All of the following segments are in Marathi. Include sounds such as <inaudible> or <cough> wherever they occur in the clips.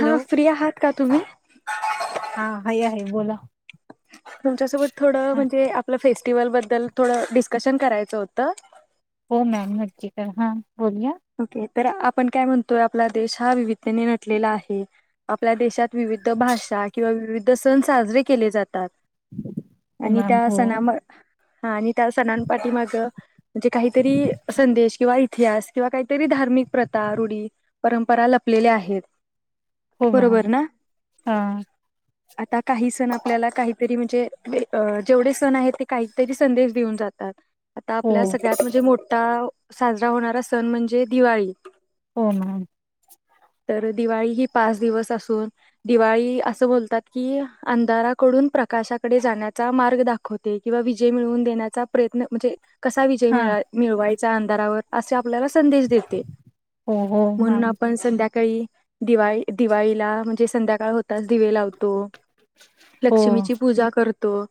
हॅलो हा फ्री आहात का? तुम्ही हा हाय आहे बोला तुमच्या सोबत थोड हा म्हणजे आपलं फेस स्टिवल बद्दल थोडं डिस्कशन करायचं होतं. हो मॅम नक्की का हा बोलूया ओके तर आपण काय म्हणतोय आपला देश हा विविधतेने नटलेला आहे. आपल्या देशात विविध भाषा किंवा विविध सण साजरे केले जातात. हो आणि मॅम त्या हो सणा म हा आणि त्या सणांपाठी माग जे काही तरी संदेश किंवा इतिहास किंवा काही तरी धार्मिक प्रथा रूढी परंपरा लपलेल्या आहेत. हो मॅम बरोबर ना हा आता काही सण आपल्याला काही तरी म्हण जे जेवढे सण आहेत ते काहीतरी संदेश देऊन जातात. आता हो आपल्या सगळ्यात म्हणजे मोठा साजरा होणारा स सण म्हणजे दिवाळी हो मॅम तर दिवाळी ही पाच दिवस असून दिवाळी असं बोलतात कि अंधाराकडून प्रकाशाकडे जाण्याचा मार्ग दाखवते. किंवा विजय मिळवून देण्याचा प्रयत्न म्हणजे कसा विजय हा मिळा मिळवाय चा अंधारावर असा आपल्याला संदेश देते. हो हो म्हणून मॅम आपण संध्या काही दिवाळी दिवाळीला म्हणजे संध्याकाळ होताच दिवे लाव तो हो लक्ष्मीची पूजा कर तो.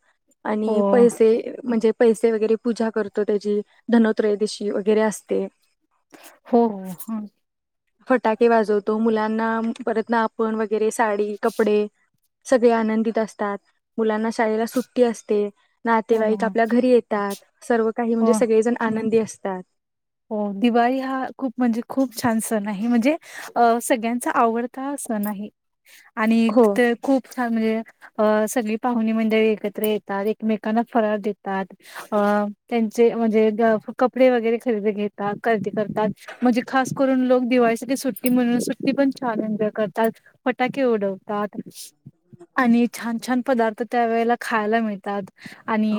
हो आणि हो पैसे म्हणजे पैसे वगैरे पूजा करतो त्याची धनोत्रयोदिशी वगैरे असते. हो ह फटाके वाजवतो मुलांना परत ना आपण व गैरे साडी कपडे सगळे आनंदित असतात मुलांना शाळेला सुट्टी असते नातेवाईक मॅम आपल्या घरी येतात. सर्व काही म्हणजे हो सगळेजण आनंदी असतात. हो दिवाळी हा खूप म्हणजे खूप छान सण आहे म्हणजे सगळ्यांचा आवडता सण आहे. आणि हो ते खूप छान म्हणजे अ सगळी पाहुणी मंडळी एकत्र येतात एकमेकांना फराळ देतात अ त्यांचे म्हणजे कपडे वगैरे खरदी घेतात खरेदी करतात म्हणजे खास करून लोक दिवाळीसाठी सुट्टी म्हणून सुट्टी पण छान एन्जॉय करतात फटाके उडवतात आणि छान छान पदार्थ त्यावेेळेला खायला मिळतात.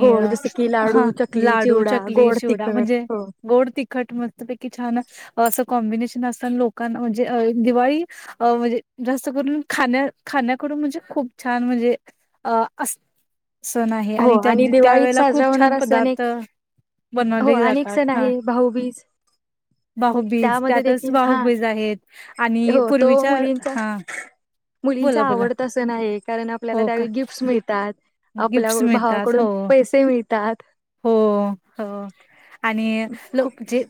हो जस की लाडू हा चकली लाडू चिवडा चकली गोड चिवडा तिखट म्हणजे हो गोड तिखट मस्तपैकी छान असं कॉम्बिनेशन असत लोकांना म्हणजे दिवाळी म्हणजे जास्त करून खा खाण्याकडून म्हणजे खूप छान म्हणजे अ अस सण आहे हो आणि त्या दिवाळीत त्यावेेळेला साजरा खूप छान होणार सण पदार्थ बनवले जातात हा नाही भाऊबीज बाहुबीज त्यामध्ये त्यातच देखिल हा बाहुबीज आहेत आणि हो तो पूर्वीच्या मुलीच्या हा मुलींच्या बोला बोला आवडत सण आहे कारण आपल्याला हो का त्यावेळी गिफ्टस मिळतात आपल्या गिफ्ट्स मिळतात भावाकडून हो पैसे मिळतात हो हो आणि खूप जे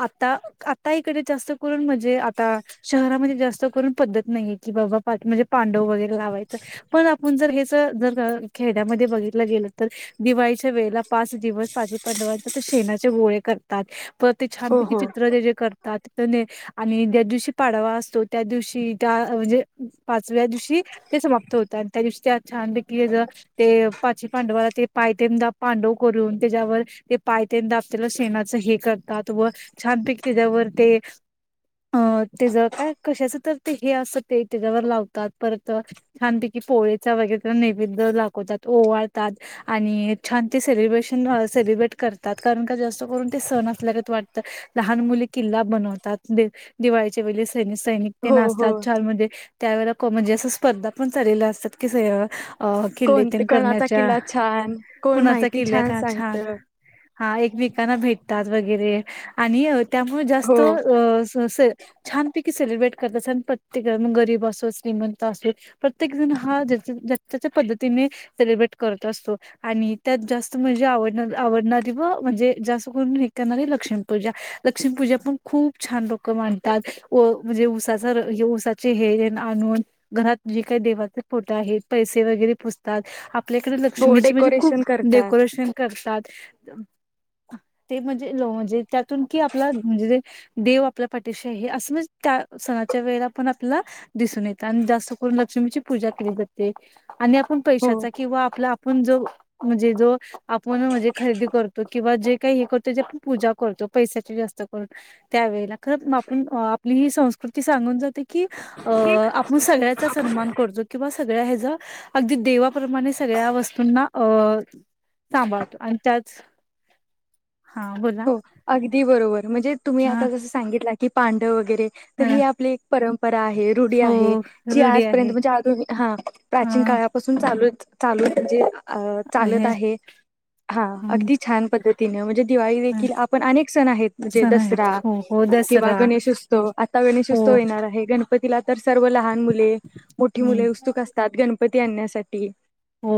आता आता इकडे जास्त करून म्हणजे आता शहरामध्ये जास्त करून पद्धत नाही की बाबा म्हणजे पांडव वगैर लावायचं पण आपण जर जर जर खेड्यामध्ये बघितलं गेलं तर दिवाळीच्या वेळेला पाच दिवस पाचे पांडवांचे शेणाचे गोळे करतात तर ते हो छानपैकी हो. चित्र ते जे करतात आणि ज्या दिवशी पाडवा असतो त्या दिवशी त्या म्हणजे पाचव्या दिवशी समाप्त होतात त्या दिवशी त्या छानपैकी पाची पांडवाला ते पायतेन दाबतात पांडव करून त्याच्यावर ते पाय तेम दाब त्याला शेणाच हे करतात व छानपैकी त्याच्यावर हे काय कशाचं तर हे असतं ते त्याच्यावर परत छानपैकी पोळीचा त्याच्यावर नैवेद्य लावतात ओवाळतात आणि छान ते सेलिब्रेशन सेलब्रेट करतात कारण का जास्त करून ते सण असल्या वाटत लहान मुली किल्ला बनवतात दिवाळीच्या वेळेस त्यांनी सैनिक ते हो न हो असतात छान मधे त्यावेळेला म्हणजे असं स्पर्धा पण चाललेल्या असतात की स अ किल्ले कोण कोणाचा किल्ला छान कोण कुणाचा माहिती किल्ला छान का सांगत हा एकमेकांना भेटतात वगैरे आणि त्यामुळे हो जास्त असं छान पिक सेलिब्रेट करतात सण आणि प्रत्येक जण मग गरीब असो श्रीमंत असो प्रत्येक जण हा ज्याच्या त्याच्या पद्धतीने सेलिब्रेट करत असतो आणि त्यात जास्त म्हणजे आवड आवडणारी व म्हणजे जास्त करून हे करणारे लक्ष्मीपूजा लक्ष्मी पूजा पण खूप छान लोक मांडतात म्हणजे ऊसाचा हे ऊसाचे हेर आणून घरात जे काही देवाचे फोटो आहेत पैसे वगैरे पुजतात आपल्याकडे हो लक्ष्मीची म्हणजे डेकोरेशन खूप करतात डेकोरेशन करतात ते म्हणजे म्हणजे त्यातून कि आपला म्हणजे देव आपल्या पाठीशी आहे असं म्हणजे त्या सणाच्या वेळेला पण आपल्याला दिसून येत आणि जास्त करून लक्ष्मीची पूजा केली जाते आणि आपण पण हो चा किंवा आपला आपण जो म्हणजे जो आपण म्हणजे खरेदी करतो किंवा जे काही हे करतो पूजा करतो पैशाची जास्त करून त्यावेेळेला खरंच मग आपली ही संस्कृती सांगून जाते की अ आपण सगळ्याचा सन्मान करतो किंवा सगळ्या ह्याच अगदी देवा प्रमाणे सगळ्या वस्तूंना अ सांभाळतो आणि त्याच हा बोला हो अगदी बरोबर म्हणजे तुम्ही हा आता जस सांगितल की पांडव वगैरे ते तर हा हे आपले परंम परा आहे रुढी आहे हो जी रूढी आजपर्यंत आहे. म्हणजे आधुनिक हा अ प्राचीन काळापासून चालूच चालूच जेव्हा अ चालत आहे हा हं, अगदी छान पद्धत तिन म्हणजे दिवाळी हं. की आपण अनेक सण आहेत म्हणजे सण आहेत. दसरा हो हो किंवा दसरा गणेशोत्सव आता हो गणेशोत्सव येणार आहे ग तिला तर सर्व लहान मुले मोठी मुले हम्म. उत्सुक असतात गणपती ते आणण्यासाठी हो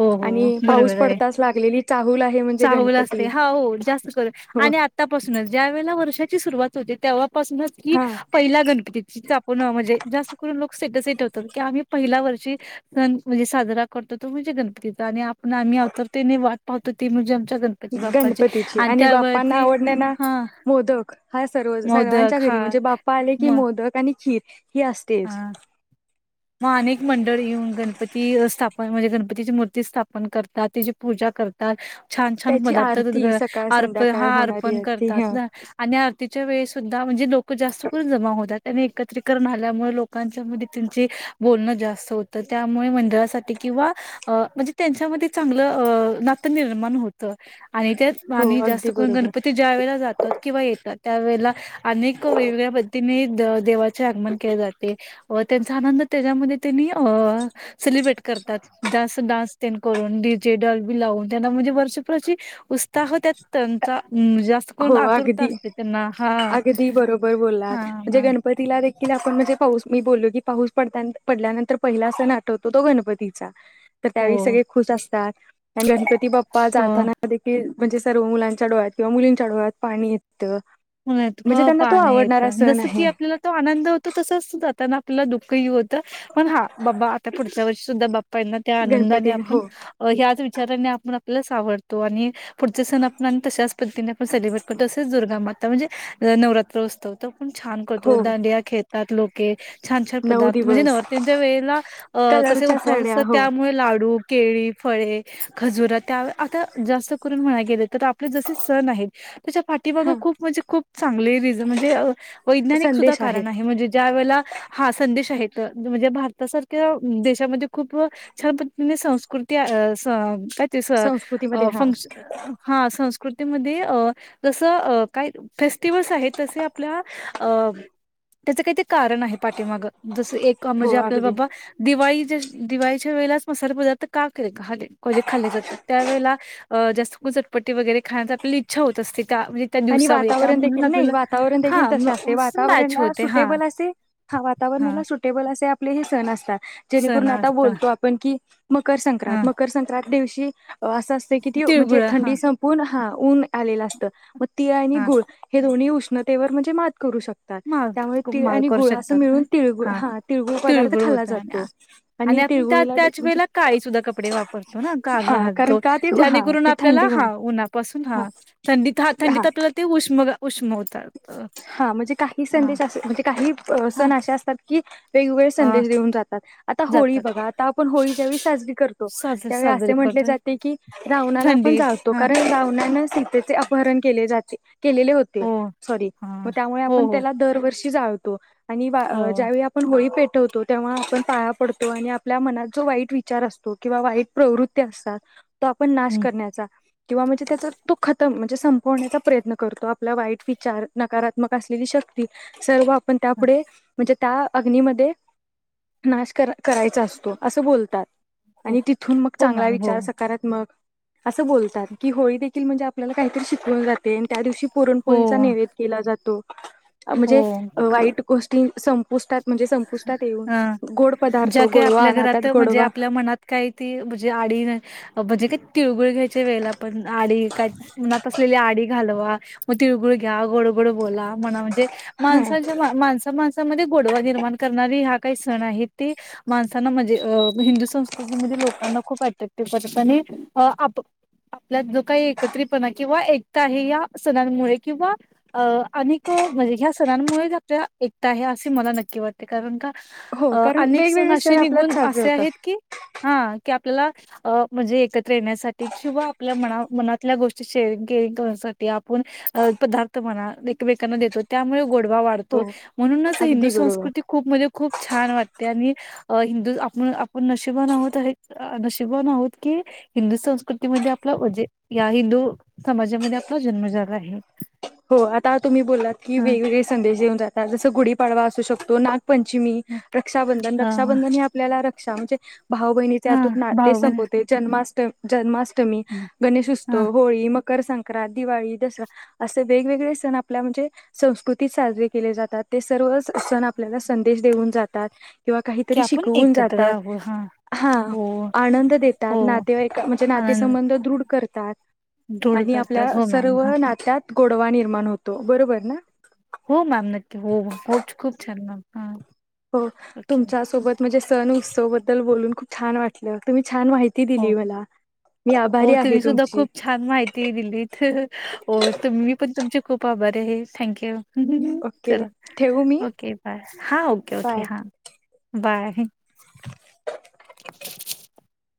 हो आणि हो पाऊस बरोबर आहे. पडताच लागलेली चाहूल आहे म्हणजे चाहूल असते गणपती हा हो जास्त कर हो आणि आतापासूनच ज्या वळेला वर्षाची सुरुवात तेव्हा ी हा पहि गणपती आपणणजे करून लोक सेटटवत की आम्ही पहि वर् ची साजरा करतो तो म्हणजे गणपतीचा आणि पण आम्ही आतुरतेने वाट पाहतो ते म्हजे गणपतीची आणि बाप्पांना आवडलेला हा मोदक हा सर्व सर्वांच्या मोदक घरी हा म्हणजे बाप्पा आले की म मोदक आणि खीर ही असतेच हा मग अनेक मंडळ येऊन गणपती स्थापन म्हणजे गणप तिची मूर्ती स्थापन करतात तिची पूजा करतात. छान छान त्याची पदार्थात आरती सकाळ अर्पण संध्याकाळ हा होणारी अर्पण आरती करतात ह ना आणि आरतीच्या वेळे सुद्धा म्हणजे लोक जास्त करून जमा होतात ते एकत्रित करणार त्यामुळं लोकांच्या मध्ये त्यांच बोलणं जास्त होतं त्यामुळे मंडळासाठी किंवा म्हणजे त्यांच्यामध्ये चांगलं नातं निर्माण होत आणि त्याच हो पाणी अगदी जास्त करून बरोबर गणपती ज्यावेळेला जातात किंवा येतात त्यावेेळेला अनेक वेगवेगळ्या पद्धतीने देवाचे आगमन केले जाते व त्यांचा आनंद त्याच्यामध्ये त्यांनी अं सेलिब्रेट करतात डान्स ते करून डीजे डॉल बी लावून त्यांना म्हणजे वर्षभरची उस्ताह त्यात त्यांचा हम् जास्त करून हो आतुरता अगदी असते त्यांना हा अगदी हा कि आपण म्हणजे पाऊस मी बोललो की पाऊस पड पडल्यानंतर पहिला सण आठवतो तो गणपतीचा तर हो त्यावेळी सगळे खुश असतात ह गणप की बप्पा हो जाताना देखील म्हणजे सर्व मुलांच्या डोळ्यात किंवा मुलीं डोळ्यात पाणी येतं. म्हणजे त्यांना तो पाणी येत आवडणारा सण जस की आहे. आपल्याला तो आनंद होतो तस सुद्धा त्यांना तुला दुःखही होत पण हा बाबा आता पुढच्या वर्षी सुद्धा बाप्पा येणार, त्या आनंदाने गणपती आपण हो ह्याच वि विचारांनी आपण आपलच आवडतो आणि पुढच्या सणात <unintelligible> तशाच पद्धतीन आपण सेलब्रेट करतो. <unintelligible> दुर्गा माता म्हणजे नवरात्र उत्सव त पण छान करतो. हो दांडिया खेळतात लोक, ओके. छान छान नऊ पदार्थ म्हणजे दिवस नवरात्यांच्या वेळेला अ कसे कलरच्या उपवास साड्या असतात. हो त्यामुळे लाडू, केळी, फळे, खजुरा त्या आता जास्त करून म्हणाय गेले तर आप जसे सण आहेत. त्याच्या पाठीमाग हा खूप, म्हणजे खूप चांगले रिझ म्हणजे वैज्ञानिक सुद्धा कारण आहे. म्हणजे ज्या वेळेला हा संदेश आहे. म्हणजे भारतासारख्या देशामध्ये खूप छान पद्धतीने संस्कृती अ स काय? तेस संस्कृतीमध्ये हा फंक्श हा संस् कृतीमध्ये अ जसं अ काय फेस्टिवल्स आहेत तसे आपल्या अ त्याच काही ते कारण आहे पाठीमाग एक का म्हणजे हो आपल्याला अगदी बाबा दिवाळी दिवाळीच्या वेळेलाच मसाले पदार्थ का केले खाले म्हणजे खाल्ले जातात त्यावेला जास्त <unintelligible> वगैरे खाण्या आपल्याला इच्छा होत असते का मजि आणि वातावरण देखील नाही वातावरण हा देखील तसे असते मॅच वातावरणला होते हा सुटेबल असे हा हा वातावरणाला सुटेबल असे आप आपले हे सण असतात. सण जेणेकरून आता असता बोलतो आपण कि मकरसंक्रांत - हा मकरसंक्रांत दिवशी असं असतं की ती म्हणजे तिळगुळ हा थंडी संपून ह ऊन आलेलं असतं. तिळ आणि हा गुळ हे दोन्ही उष्ण. उष्णतेवर म्हणजे मा माल माल करू असं शकतात, मिळून तिळगुळ हा पदार्थ तिळगुळ खाल्ला होत आणि जातो आणि आपण त्या तिळगुळीला त्याच म्हणजे वेळेला काळी सुद्धा कपडे वापरतो ना काग हा कारण घालतो, का ते हा ज्यानेकरून की आपल्याला थंडीमुळे हा उन्हापासून हा थंडी हा थंडीत आपल्यालाते उष्म मग उष्म होतात. हा म्हणजे काह ही हा संदेश असे म्हणजे का <inaudible> अ सण अशे असतात की, वेगवेगळे हा संदेश देऊन जातात. आता होळी जातात बघा आता आपण होळी ज्यावेळी साजरी करतो साजरी त्यावेळी असे साजरी म्हटले करतोय जाते की रावणाला आपण थंडी जाळतो हा कारण रावणा सीतेचे अपहरण केले जाते. केलेले होते. हो. सॉरी मग हां. त्यामुळे हो, आपण हो, त्याला दरवर्षी जाळ तो. आणि वा हो. ज्यावेळी आपण होळी पेट वतो तेव्हा आपण पाया पडतो आणि आपल्या मनात जो वाईट विचार असतो किंवा वाईट प्रवृत्ती असतात तो आपण नाश हं. करण्याचा किंवा म्हणजे त्याचा तो खतम म्हणजे संपवण्याचा प्रयत्न करतो आपला वाईट विचार नकारात्मक असलेली शक्ती सर्व पण हं. त्यापुढे म्हणजे त्या अग्नीमध्ये नाश करा करायचा अस तो अस बोलतात हो. आणि तिथून मग हो चांगला मॅम. हो. विचार सकारात्मक असं बोलतात की होळी देखील म्हणजे आपल्याला काहीतरी शिकवून जाते. त्या दिवशी हो, पुरणपोळीचा नैवेद्य केला जातो. म्हणजे हो. वाईट गोष्टी संपुष्टात म्हणजे संपुष्टात येऊन हां गोड पदार्थ ज्या काही आपल्या गोडवा घरात नातात म्हणजे गोडवा आपल्या मनात काही ती म्हणजे आडी म्हणजे काय तिळगुळ घ्यायच्या वेळेला पण आडी काय मनात असलेली आडी घालवा मग तिळगुळ घ्या गोडगोड बोला म्हणा म्हणजे हा माणसाच्या माणसामाणसा त्यामध्ये गोडवा निर्माण करणारी हा काही सण आहे ते माणसाना म्हणजे अ हिंदू संस्कृतीमध्ये लोकांना खूप अट <unintelligible> आणि आप आपल्यात जो काही एकत्रितपणा किंवा एकता आहे या सणांमुळे किंवा अ अनेक या सणांमुळेच आपल्याला एकता आहे अस मला नक्की वाट ते कारण का अ, हो कारण अनेक वेगवेगळे असे सण आपल्यात निघून साजरे असे आहेत होतात. की हां की आपल्याला अ म्हणजे एकत्र येण्यासाठी किंवा आपल्या मना मनातल्या गोष्टी शेअरिंग केअरिंग करण्यासाठी आपुण पदार्थ मना एकमेकांना देतो त्यामुळे गोड वा हो वाढतो म्हणूनच हिंदू अगदी संस्कृ बरोबर स्कृति खूप म्हणजे खूप छान वाट ते आणि हिंदू आपण आपण नशिबान आहोत आहेत नशिबान आहोत की हिंदू संस्कृतीमध्ये आपला जे या हिंदू समाजामध्ये आपला जन्म झाला आहे. हो आता तुम्ही बोललात की हं, वेगवेगळे संदेश देऊन जातात जस गुढी पाडवा असू शकतो नाग पंचमी हं. रक्षाबंधन, हां, रक्षाबंधन हे आपल्याला रक क्षामचे भाऊ बहिणीचे अतुट हां. नाते भावना संपवते जन्मास जन्मास अष्टमी, हं. हां, गणेशोत्सव, होळी मग कर संक्रांत, दिवाळी दसरा असे वेगवेगळे सण आपल्या म्हणजे, संस्कृतीत साजरे केले जातात ते सर्वच सण आपल्याला संदेश देऊन जातात, किंवा की काहीतरी आपण शिकवून एकत्र जातात, आहोत. हां. हां! हो आनंद देतात हो नातेवाइका म्हणजे आनंद नातेसंबंध दृढ करतात धूड आणि आपल्या करतात हो मॅम सर्व हा नात्यात गोडवा निर्माण होतो, बरोबर ना. हो मॅम नक्की हो, हो खुच खूप छान मॅम अ हो तुमच्या सोबत म्हणजे सण उत्सव बद्दल बोलून, खूप छान वाटलं तुम्ही छान माहिती दिली मला मी आभारी हो आहे तुम्ही सुद्धा तुमची खूप छान माहिती दिलीत हहः हो, तुम्ही पण तुमची खूप आभारी आहे थँक्यू! ओके चला ठेवू मी ओके, बाय हा ओके, ओके बाय हा बाय. <inaudible>